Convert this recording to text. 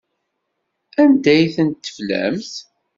Anda ay tent-teflamt?